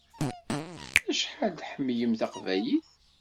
Acḥal i tḥemmlem taqbaylit?